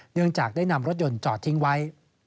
เนื่องจากได้นำรถยนต์จอดทิ้งไว้